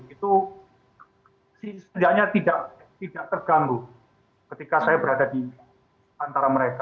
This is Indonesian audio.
itu tidak terganggu ketika saya berada di antara mereka